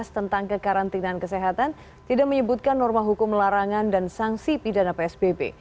tentang kekarantinaan kesehatan tidak menyebutkan norma hukum larangan dan sanksi pidana psbb